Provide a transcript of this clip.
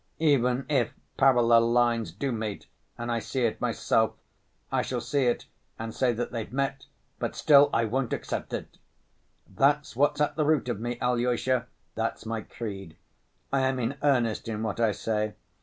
Even if parallel lines do meet and I see it myself, I shall see it and say that they've met, but still I won't accept it. That's what's at the root of me, Alyosha; that's my creed. I am in earnest in what I say.